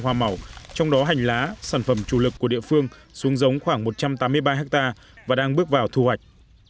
hoa màu trong đó hành lá sản phẩm chủ lực của địa phương xuống giống khoảng một trăm tám mươi ba hectare và đang bước vào thu hoạch